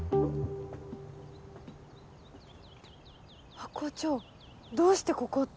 ハコ長どうしてここって。